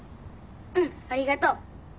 うんありがとう。